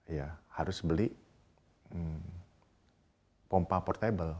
ya harus beli pompa portable